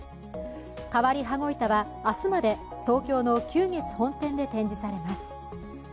変わり羽子板は明日まで東京の久月本店で展示されます。